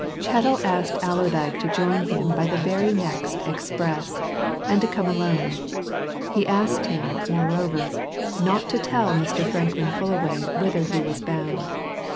Chettle asked Allerdyke to join him by the very next express, and to come alone; he asked him, moreover, not to tell Mr. Franklin Fullaway whither he was bound.